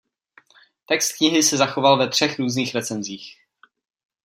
Text knihy se zachoval ve třech různých recenzích.